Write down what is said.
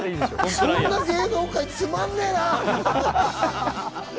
そんな芸能界つまんねえな。